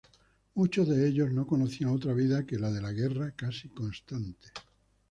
Muchos de ellos no conocían otra vida que la de la guerra casi constante.